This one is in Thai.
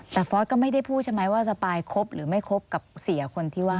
แต่ฟอร์สก็ไม่ได้พูดใช่ไหมว่าสปายคบหรือไม่คบกับเสียคนที่ว่า